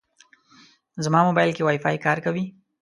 زما موبایل کې وايفای کار کوي.